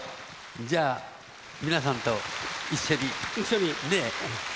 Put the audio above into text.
じゃあ皆さんと一緒にね。